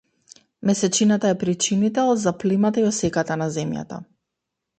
Месечината е причинител за плимата и осеката на Земјата.